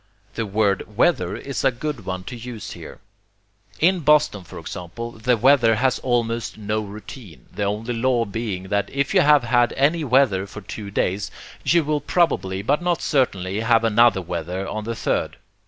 The word weather is a good one to use here. In Boston, for example, the weather has almost no routine, the only law being that if you have had any weather for two days, you will probably but not certainly have another weather on the third.